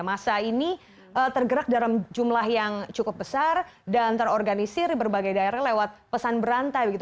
masa ini tergerak dalam jumlah yang cukup besar dan terorganisir di berbagai daerah lewat pesan berantai begitu